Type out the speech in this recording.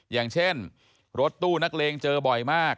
อย่างเช่นรถตู้นักเลงเจอบ่อยมาก